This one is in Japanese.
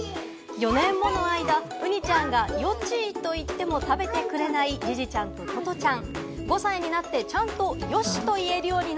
４年もの間、うにちゃんが「よちい」と言っても食べてくれないジジちゃんとトトちゃん。